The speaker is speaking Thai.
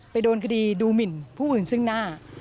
โดนคดีดูหมินผู้อื่นซึ่งหน้า